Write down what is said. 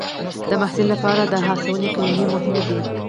د محصل لپاره د هڅونې کلمې مهمې دي.